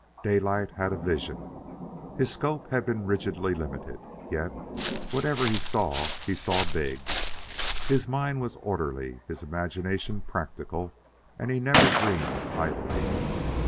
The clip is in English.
Daylight had vision. His scope had been rigidly limited, yet whatever he saw, he saw big. His mind was orderly, his imagination practical, and he never dreamed idly.